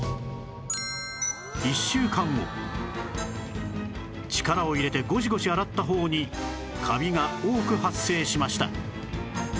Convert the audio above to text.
１週間後力を入れてゴシゴシ洗った方にカビが多く発生しました